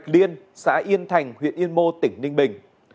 liên xã yên thành huyện yên mô tỉnh ninh bình